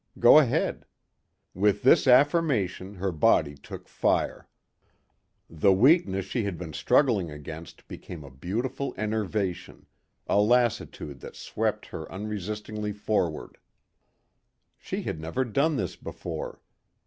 Go ahead. With this affirmation her body took fire. The weakness she had been struggling against became a beautiful enervation a lassitude that swept her unresistingly forward. She had never done this before.